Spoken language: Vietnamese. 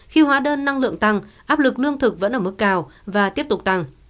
khi hóa đơn năng lượng tăng áp lực lương thực vẫn ở mức cao và tiếp tục tăng